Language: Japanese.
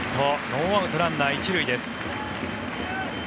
ノーアウト、ランナー１塁です。